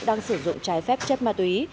đang sử dụng trái phép chất ma túy